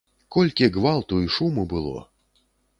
Колькі гвалту і шуму было.